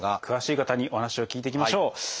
詳しい方にお話を聞いていきましょう。